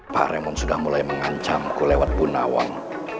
pak raymond sudah mulai mengancamku lewat bu nawang